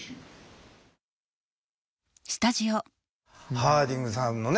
ハーディングさんのね